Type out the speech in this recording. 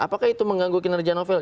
apakah itu mengganggu kinerja novel